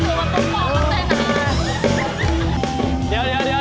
ก็ถือว่าตัวฟองมันใจหนา